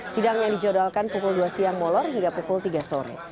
sidang yang dijodohkan pukul dua siang molor hingga pukul tiga sore